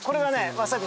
わさび